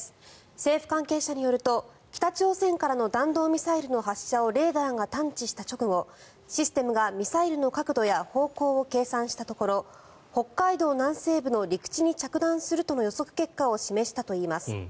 政府関係者によると北朝鮮からの弾道ミサイルの発射をレーダーが探知した直後システムがミサイルの角度や方向を計算したところ北海道南西部の陸地に着弾するとの予測結果を示したといいます。